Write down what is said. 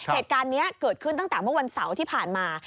เหตุการณ์นี้เกิดขึ้นตั้งแต่เมื่อวันเสาร์ที่ผ่านมา